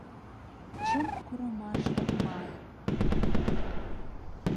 Чылт курымашлык май...